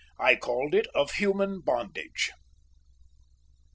I called it Of Human Bondage.